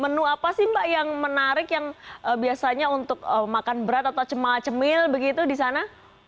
menu apa sih mbak yang menarik yang biasanya untuk makan berat atau cemal cemil begitu di sana